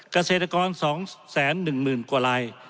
เกษตรกร๒๑๐๐๐กว่าลาย